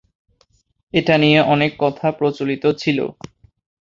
এটা নিয়ে অনেক কথা প্রচলিত ছিলো।